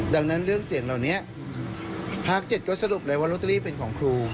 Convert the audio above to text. ดังนั้นเรื่องเสียงเหล่านี้ภาค๗ก็สรุปเลยว่าลอตเตอรี่เป็นของครู